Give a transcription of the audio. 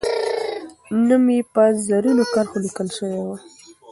نوم یې به په زرینو کرښو لیکل سوی وو.